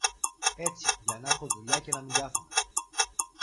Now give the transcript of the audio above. έτσι για να 'χω δουλειά και να μην κάθομαι.